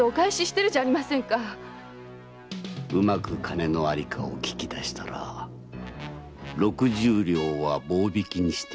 うまく金の在りかを訊き出したら六十両は棒引きにしてやる。